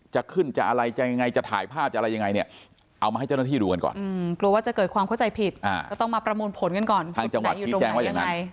จะขึ้นจะอะไรจะยังไงจะถ่ายภาพจะอะไรยังไงเนี่ย